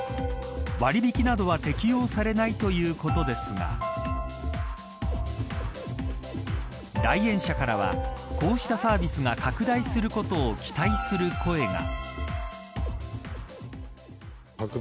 割引などは適用されないということですが来園者からは、こうしたサービスが拡大することを期待する声が。